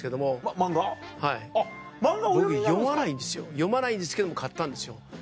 読まないですけども買ったんですよ。